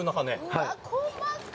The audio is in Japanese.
はい。